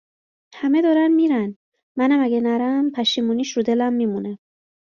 همه دارن میرن منم اگه نرم پشیمانی اش رو دلم میمونه